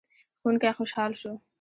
ښوونکی خوشحال شو.